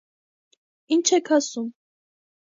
- Ինչ եք ասում…